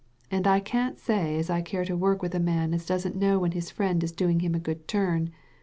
And I can't say as I care to work with a man as doesn't ,know when his friend is doing him a good turn.